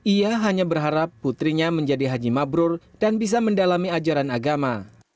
ia hanya berharap putrinya menjadi haji mabrur dan bisa mendalami ajaran agama